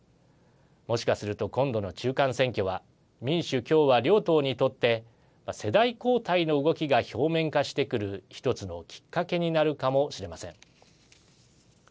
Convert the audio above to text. もしかすると、今度の中間選挙は民主・共和両党にとって世代交代の動きが表面化してくるひとつのきっかけになるかもしれません。